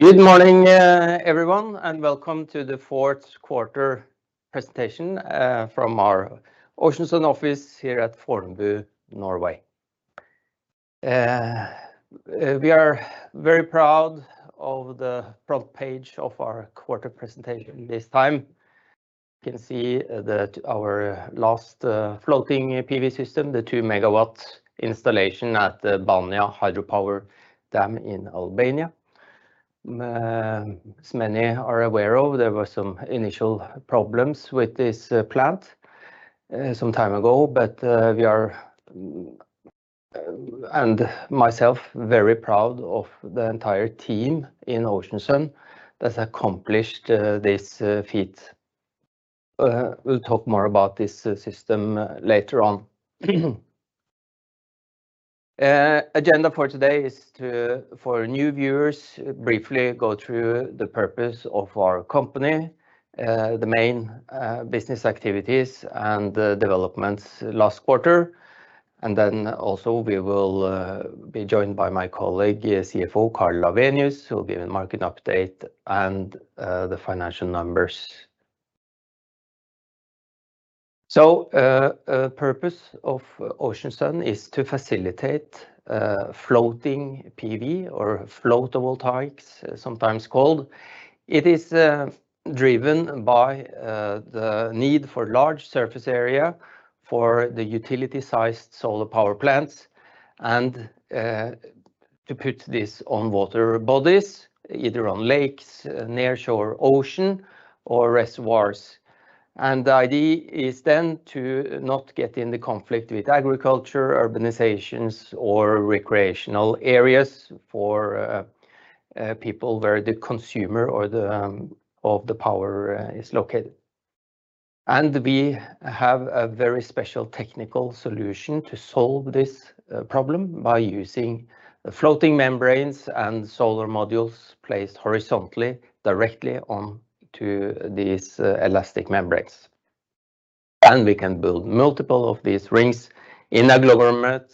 Good morning, everyone, and welcome to the fourth quarter presentation from our Ocean Sun office here at Fornebu, Norway. We are very proud of the front page of our quarter presentation this time. You can see that our last floating PV system, the 2 MW installation at the Banja Hydropower Dam in Albania. As many are aware of, there were some initial problems with this plant some time ago, but we are, and myself, very proud of the entire team in Ocean Sun that's accomplished this feat. We'll talk more about this system later on. Agenda for today is to, for new viewers, briefly go through the purpose of our company, the main business activities and developments last quarter. Also we will be joined by my colleague, CFO Karl Lawenius, who will give a market update and the financial numbers. Purpose of Ocean Sun is to facilitate floating PV or Floating Photovoltaics, sometimes called. It is driven by the need for large surface area for the utility sized solar power plants, and to put this on water bodies, either on lakes, near shore ocean or reservoirs. The idea is then to not get into conflict with agriculture, urbanizations or recreational areas for people where the consumer or the of the power is located. We have a very special technical solution to solve this problem by using floating membranes and solar modules placed horizontally directly onto these elastic membranes. We can build multiple of these rings in a global map,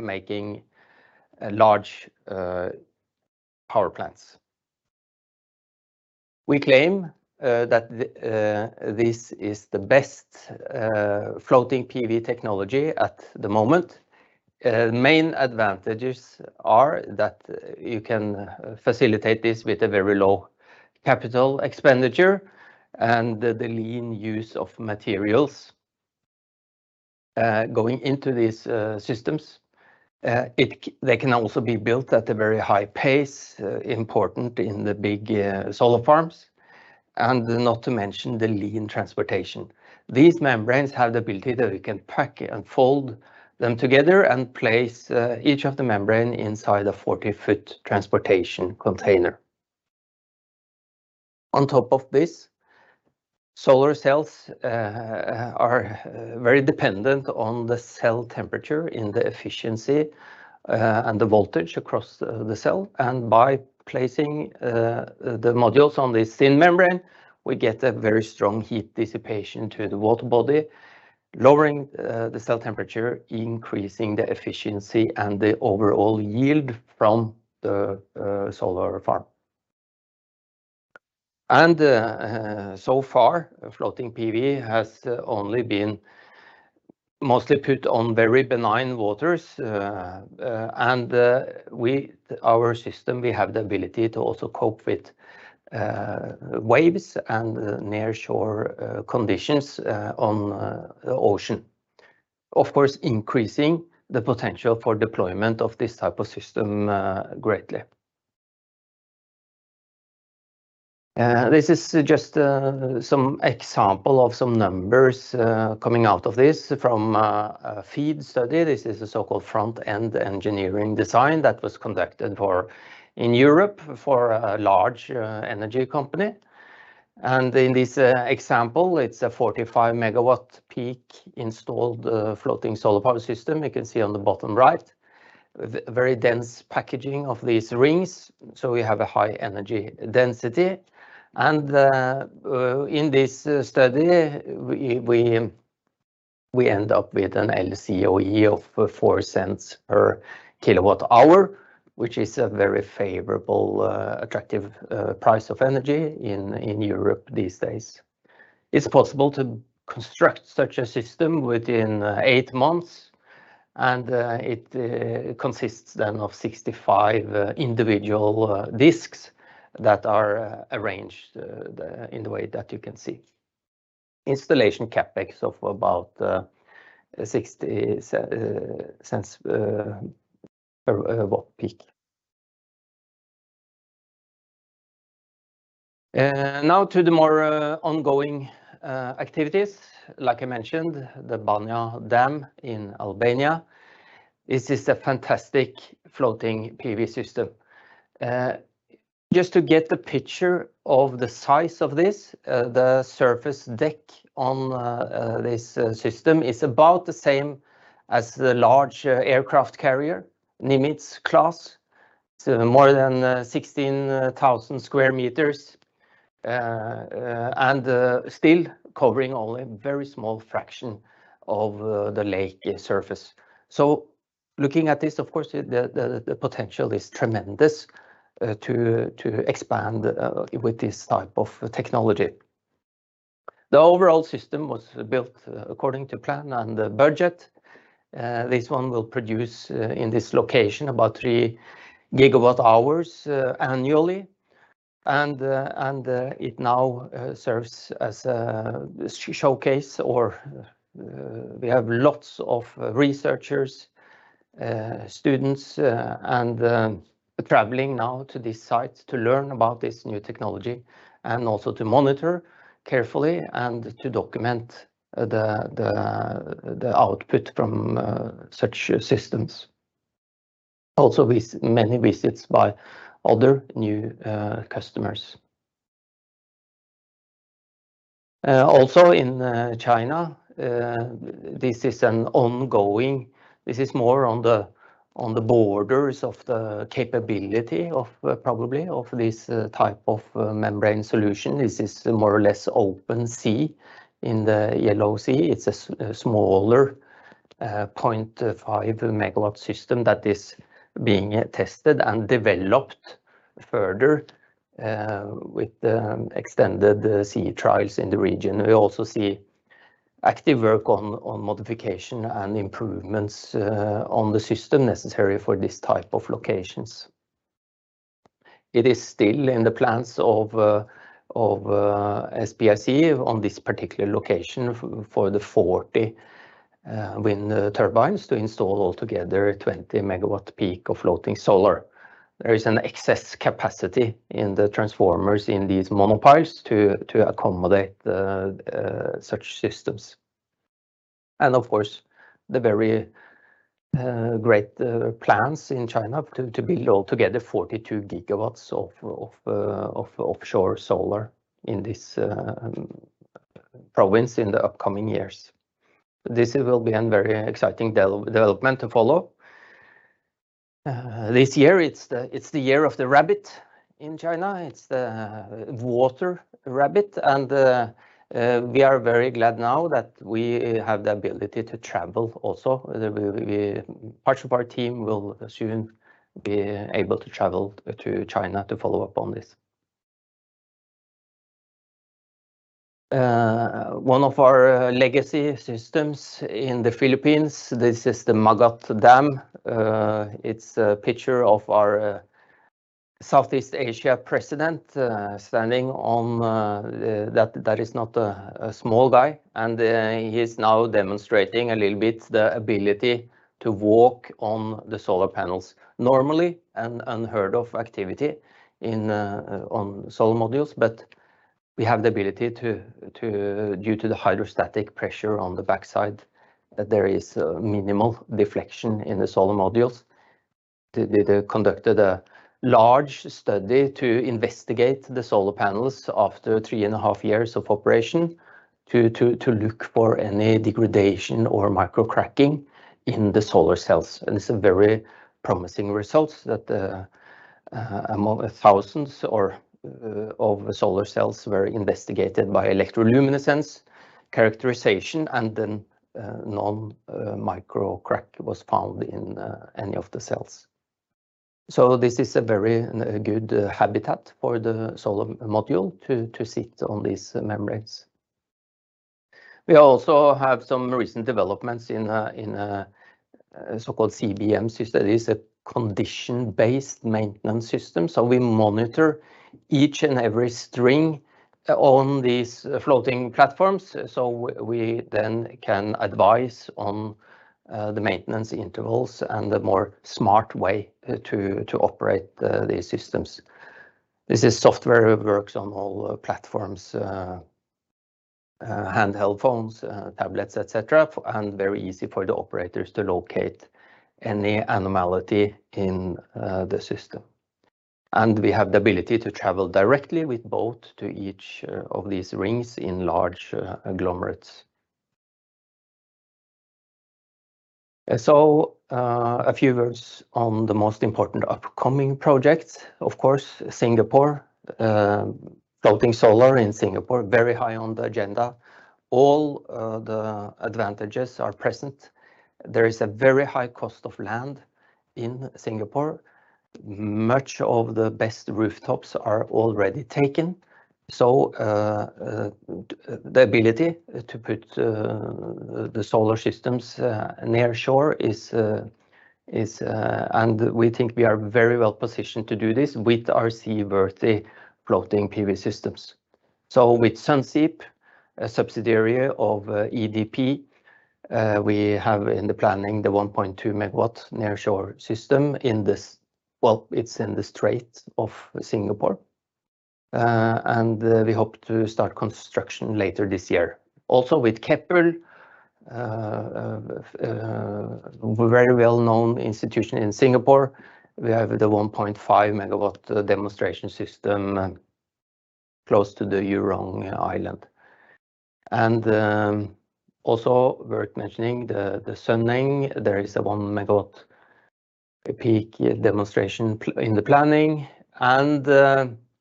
making large power plants. We claim that this is the best floating PV technology at the moment. Main advantages are that you can facilitate this with a very low capital expenditure and the lean use of materials going into these systems. They can also be built at a very high pace, important in the big solar farms, and not to mention the lean transportation. These membranes have the ability that we can pack and fold them together and place each of the membrane inside a 40-foot transportation container. On top of this, solar cells are very dependent on the cell temperature in the efficiency and the voltage across the cell. By placing the modules on this thin membrane, we get a very strong heat dissipation to the water body, lowering the cell temperature, increasing the efficiency and the overall yield from the solar farm. So far, floating PV has only been mostly put on very benign waters. Our system, we have the ability to also cope with waves and near shore conditions on the ocean. Of course, increasing the potential for deployment of this type of system greatly. This is just some example of some numbers coming out of this from a FEED study. This is a so-called front end engineering design that was conducted for, in Europe for a large energy company. In this example, it's a 45 MW peak installed floating solar power system. You can see on the bottom right, very dense packaging of these rings. We have a high energy density. In this study, we end up with an LCOE of $0.04 per kWh, which is a very favorable, attractive price of energy in Europe these days. It's possible to construct such a system within eight months. It consists then of 65 individual discs that are arranged in the way that you can see. Installation CapEx of about $0.60 per watt peak. Now to the more ongoing activities. Like I mentioned, the Banja Dam in Albania. This is a fantastic floating PV system. Just to get the picture of the size of this, the surface deck on this system is about the same as the large aircraft carrier, Nimitz-class, so more than 16,000 sq m. Still covering only a very small fraction of the lake surface. Looking at this, of course, the potential is tremendous to expand with this type of technology. The overall system was built according to plan and budget. This one will produce in this location about 3 gWh annually. It now serves as a showcase or, we have lots of researchers, students, and traveling now to these sites to learn about this new technology and also to monitor carefully and to document the output from such systems. Many visits by other new customers. In China, this is an ongoing. This is more on the borders of the capability of, probably, of this type of membrane solution. This is more or less open sea. In the Yellow Sea, it's a smaller 0.5 MW system that is being tested and developed further with the extended sea trials in the region. We also see active work on modification and improvements on the system necessary for these type of locations. It is still in the plans of SPIC on this particular location for the 40 wind turbines to install altogether 20 MW peak of floating solar. There is an excess capacity in the transformers in these monopiles to accommodate such systems. Of course, the very great plans in China to build altogether 42 GW of offshore solar in this province in the upcoming years. This will be an very exciting development to follow. This year, it's the year of the rabbit in China. It's the water rabbit. We are very glad now that we have the ability to travel also. Parts of our team will soon be able to travel to China to follow up on this. One of our legacy systems in the Philippines, this is the Magat Dam. It's a picture of our Southeast Asia president standing on... That is not a small guy. He is now demonstrating a little bit the ability to walk on the solar panels. Normally an unheard of activity on solar modules. We have the ability to due to the hydrostatic pressure on the backside, that there is minimal deflection in the solar modules. They conducted a large study to investigate the solar panels after three and a half years of operation to look for any degradation or micro cracking in the solar cells. This is very promising results that among thousands or of solar cells were investigated by electroluminescence characterization, then no micro crack was found in any of the cells. This is a very good habitat for the solar module to sit on these membranes. We also have some recent developments in a so-called CBM system. This is a condition based maintenance system. We monitor each and every string on these floating platforms, we then can advise on the maintenance intervals and the more smart way to operate these systems. This is software that works on all platforms, handheld phones, tablets, et cetera, and very easy for the operators to locate any abnormality in the system. We have the ability to travel directly with boat to each of these rings in large conglomerates. A few words on the most important upcoming projects. Of course, Singapore, floating solar in Singapore, very high on the agenda. All the advantages are present. There is a very high cost of land in Singapore. Much of the best rooftops are already taken, so the ability to put the solar systems near shore is. We think we are very well positioned to do this with our sea worthy floating PV systems. With Sunseap, a subsidiary of EDP, we have in the planning the 1.2 MW near shore system in the well, it's in the Straits of Singapore. We hope to start construction later this year. Also with Keppel, a very well-known institution in Singapore, we have the 1.5 MW demonstration system close to the Jurong Island. Also worth mentioning, the Sunneng, there is a 1 MW peak demonstration in the planning.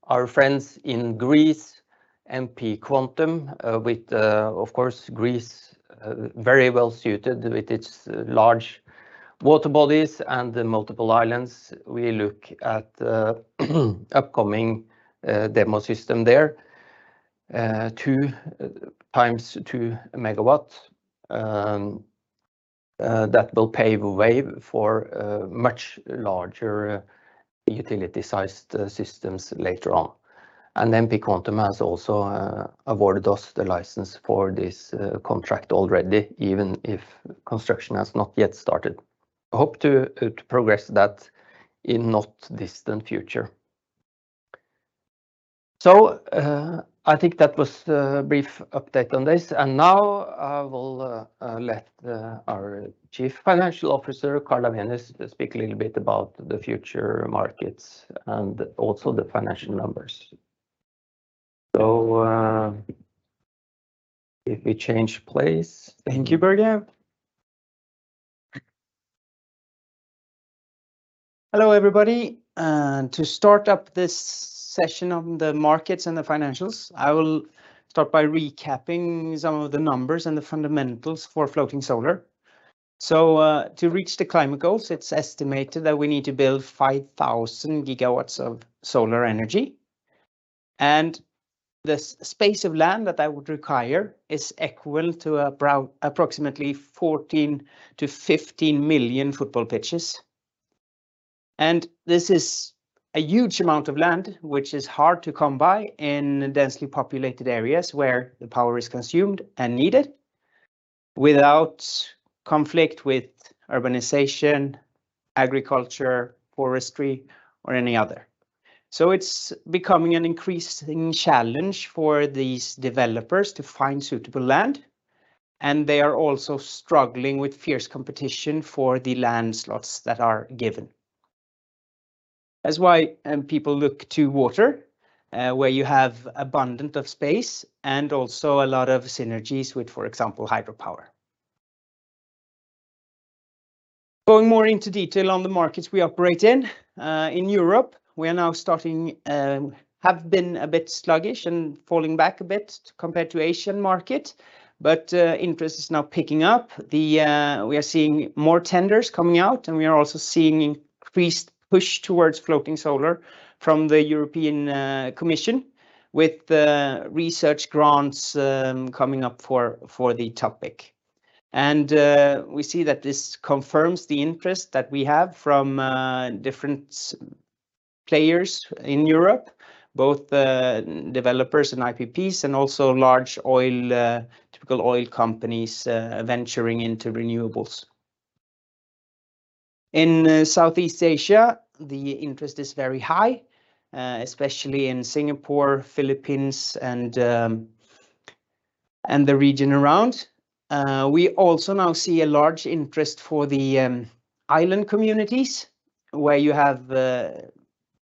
Our friends in Greece, MP Quantum, with, of course, Greece, very well-suited with its large water bodies and the multiple islands. We look at upcoming demo system there. Two times 2 MW that will pave the way for a much larger utility sized systems later on. MP Quantum has also awarded us the license for this contract already, even if construction has not yet started. I hope to progress that in not distant future. I think that was a brief update on this, and now I will let our Chief Financial Officer, Karl Lawenius, speak a little bit about the future markets and also the financial numbers. If we change place. Thank you, Børge. Hello, everybody. To start up this session on the markets and the financials, I will start by recapping some of the numbers and the fundamentals for floating solar. To reach the climate goals, it's estimated that we need to build 5,000 GW of solar energy, the space of land that that would require is equal to approximately 14-15 million football pitches. This is a huge amount of land, which is hard to come by in densely populated areas where the power is consumed and needed without conflict with urbanization, agriculture, forestry, or any other. It's becoming an increasing challenge for these developers to find suitable land, they are also struggling with fierce competition for the land slots that are given. That's why people look to water, where you have abundant of space and also a lot of synergies with, for example, hydropower. Going more into detail on the markets we operate in. In Europe, we are now starting, have been a bit sluggish and falling back a bit compared to Asian market, but interest is now picking up. We are seeing more tenders coming out, and we are also seeing increased push towards floating solar from the European Commission, with the research grants coming up for the topic. We see that this confirms the interest that we have from different players in Europe, both developers and IPPs, and also large oil, typical oil companies, venturing into renewables. In Southeast Asia, the interest is very high, especially in Singapore, Philippines, and the region around. We also now see a large interest for the island communities, where you have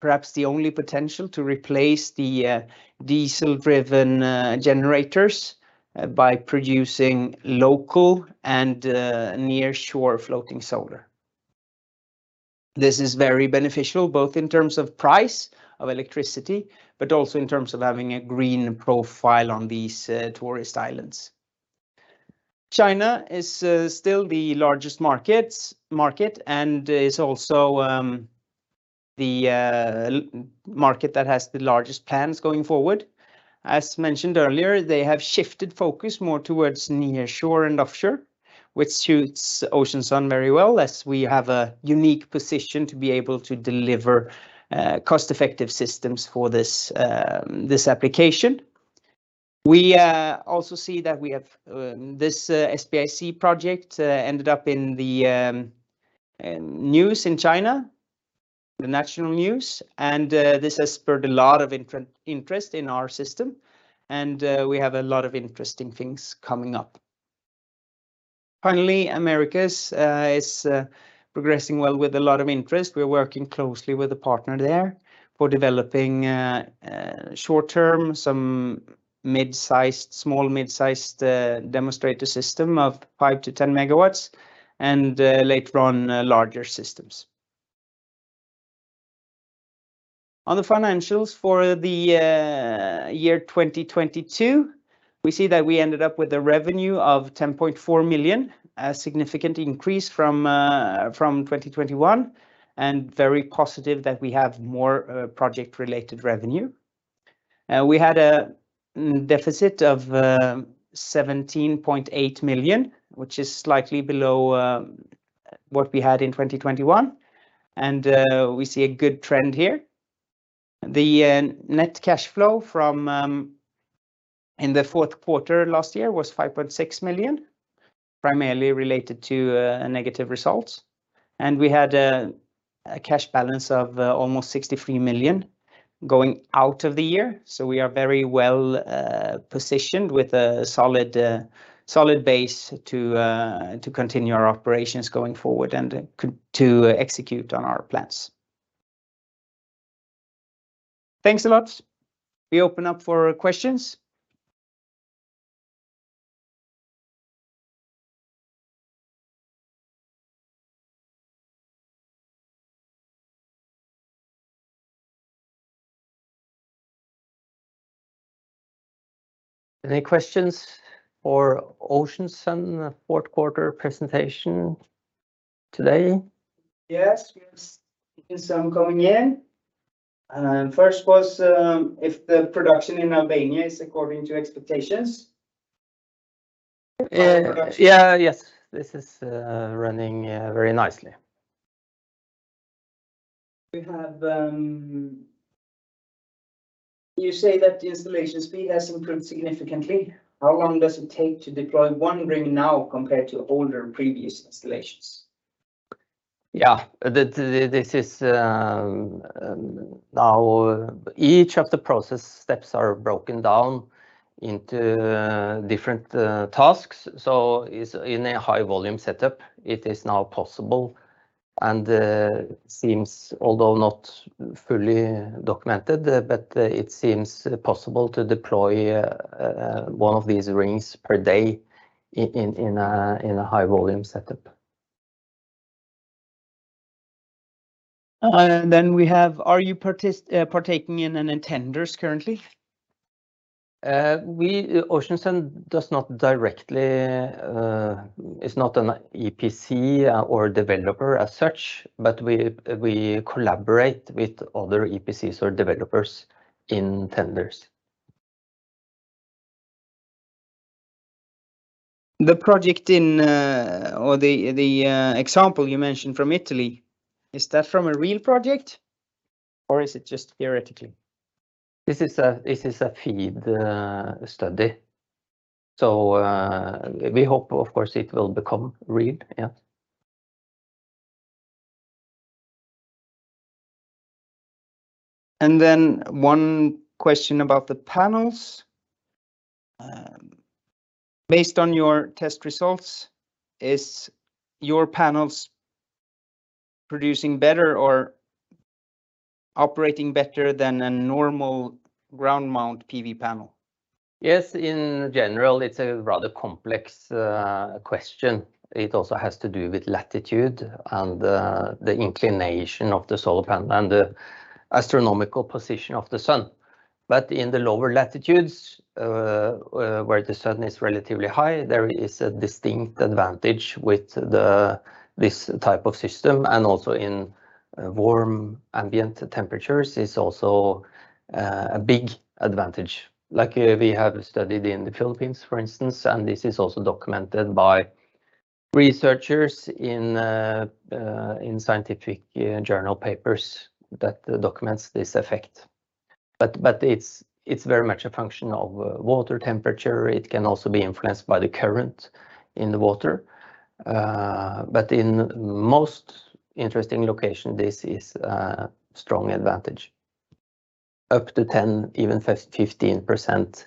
perhaps the only potential to replace the diesel-driven generators by producing local and nearshore floating solar. This is very beneficial, both in terms of price of electricity, but also in terms of having a green profile on these tourist islands. China is still the largest market and is also the market that has the largest plans going forward. As mentioned earlier, they have shifted focus more towards nearshore and offshore, which suits Ocean Sun very well, as we have a unique position to be able to deliver cost-effective systems for this application. We also see that we have this SPIC project ended up in the news in China, the national news. This has spurred a lot of interest in our system. We have a lot of interesting things coming up. Finally, Americas is progressing well with a lot of interest. We're working closely with a partner there for developing short-term, some mid-sized, small mid-sized demonstrator system of 5 MW-10 MW. Later on, larger systems. On the financials for the year 2022, we see that we ended up with a revenue of 10.4 million, a significant increase from 2021. Very positive that we have more project-related revenue. We had a deficit of 17.8 million, which is slightly below what we had in 2021, and we see a good trend here. The net cash flow from in the fourth quarter last year was 5.6 million, primarily related to negative results. We had a cash balance of almost 63 million going out of the year. We are very well positioned with a solid base to continue our operations going forward and to execute on our plans. Thanks a lot. We open up for questions. Any questions for Ocean Sun fourth quarter presentation today? Yes. Yes. Some coming in. First was, if the production in Albania is according to expectations? Yeah. Yes. This is running very nicely. You say that the installation speed has improved significantly. How long does it take to deploy one ring now compared to older, previous installations? Yeah. This is, now each of the process steps are broken down into different tasks, so is in a high volume setup, it is now possible and, seems, although not fully documented, but, it seems possible to deploy, one of these rings per day in a high volume setup. Then we have, are you partaking in any tenders currently? Ocean Sun does not directly, is not an EPC or developer as such, but we collaborate with other EPCs or developers in tenders. The project in, or the example you mentioned from Italy, is that from a real project, or is it just theoretically? This is a FEED study. We hope, of course, it will become real. Yeah. One question about the panels. Based on your test results, is your panels producing better or operating better than a normal ground mount PV panel? Yes, in general. It's a rather complex question. It also has to do with latitude and the inclination of the solar panel and the astronomical position of the sun. In the lower latitudes, where the sun is relatively high, there is a distinct advantage with this type of system, and also in warm ambient temperatures is also a big advantage. Like we have studied in the Philippines, for instance, and this is also documented by researchers in scientific journal papers that documents this effect. It's very much a function of water temperature. It can also be influenced by the current in the water. In most interesting location, this is a strong advantage, up to 10%, even 15%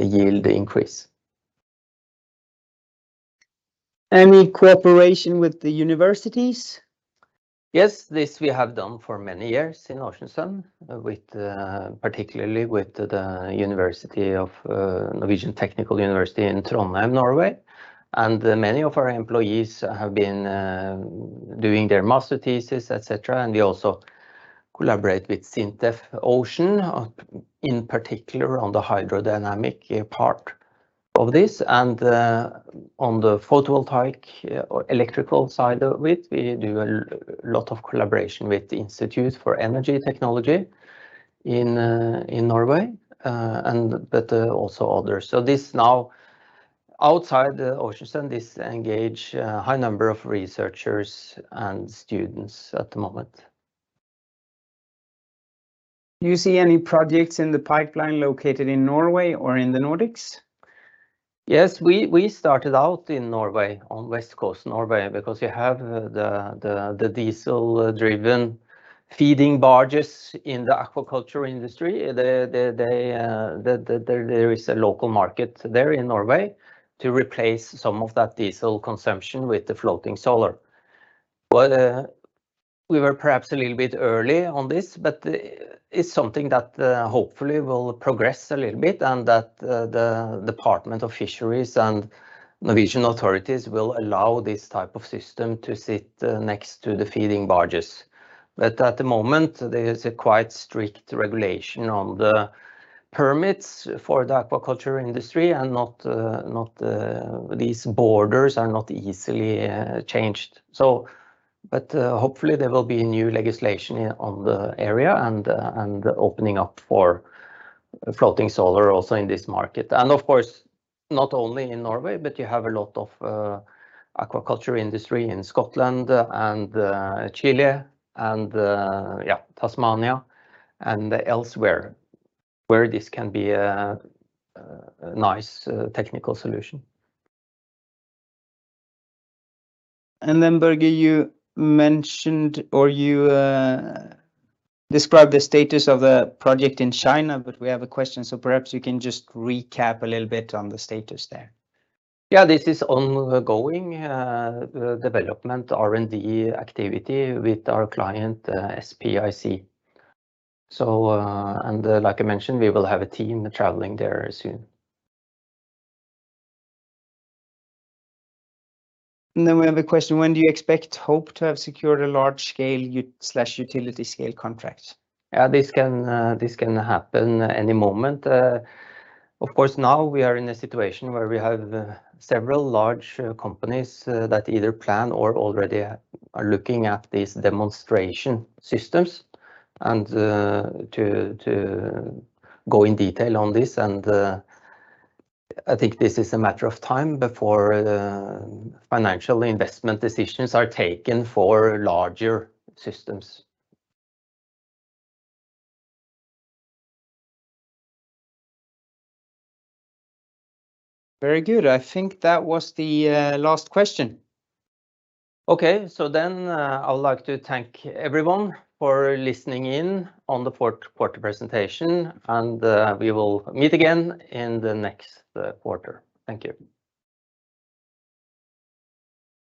yield increase. Any cooperation with the universities? Yes, this we have done for many years in Ocean Sun, with particularly with the Norwegian University of Science and Technology in Trondheim, Norway. Many of our employees have been doing their master thesis, et cetera. We also collaborate with SINTEF Ocean, in particular on the hydrodynamic part of this, and on the photovoltaic or electrical side of it, we do a lot of collaboration with the Institute for Energy Technology in Norway, but also others. This now outside the Ocean Sun, this engage a high number of researchers and students at the moment. Do you see any projects in the pipeline located in Norway or in the Nordics? Yes, we started out in Norway, on west coast Norway, because you have the diesel-driven feeding barges in the aquaculture industry. There is a local market there in Norway to replace some of that diesel consumption with the floating solar. We were perhaps a little bit early on this, but it's something that hopefully will progress a little bit and that the Directorate of Fisheries and Norwegian authorities will allow this type of system to sit next to the feeding barges. At the moment, there is a quite strict regulation on the permits for the aquaculture industry and not, these borders are not easily changed, so, but hopefully there will be new legislation on the area and opening up for floating solar also in this market. Of course, not only in Norway, but you have a lot of aquaculture industry in Scotland and Chile and yeah, Tasmania and elsewhere, where this can be a nice technical solution. Børge, you mentioned, or you described the status of the project in China, but we have a question, so perhaps you can just recap a little bit on the status there. This is ongoing development R&D activity with our client, SPIC. Like I mentioned, we will have a team traveling there soon. We have a question, when do you expect HOPE to have secured a large scale/utility scale contract? Yeah, this can, this can happen any moment. Of course, now we are in a situation where we have several large companies that either plan or already are looking at these demonstration systems, and to go in detail on this and, I think this is a matter of time before financial investment decisions are taken for larger systems. Very good. I think that was the last question. I would like to thank everyone for listening in on the fourth quarter presentation. We will meet again in the next quarter. Thank you.